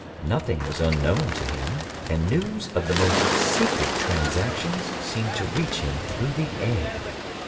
Nothing was unknown to him, and news of the most secret transactions seemed to reach him through the air.